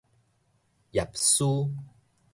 葉書